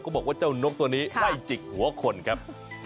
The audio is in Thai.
บอกว่าเจ้านกตัวนี้ไล่จิกหัวคนครับ